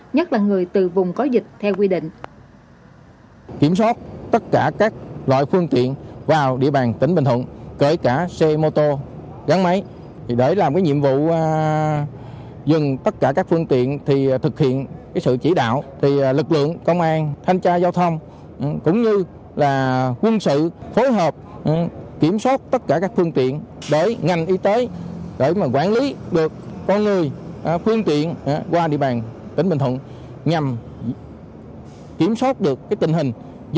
nhất là người từ vùng có dịch theo quy định